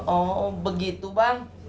oh begitu bang